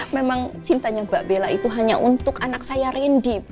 memang cintanya mbak bella itu hanya untuk anak saya randy